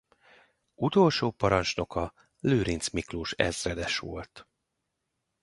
Utolsó parancsnoka Lőrincz Miklós ezredes volt.